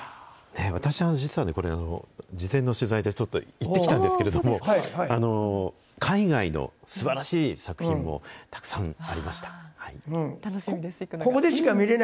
私、実はこれ、事前の取材で、ちょっと行ってきたんですけれども、海外のすばらしい作品もたくさんありました。